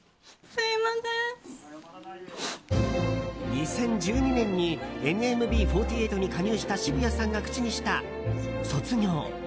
２０１２年にＮＭＢ４８に加入した渋谷さんが口にした卒業。